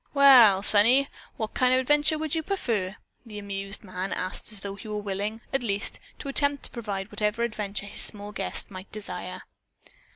"Well, sonny, what kind of an adventure would you prefer?" the amused man asked as though he were willing, at least, to attempt to provide whatever adventure his small guest might desire.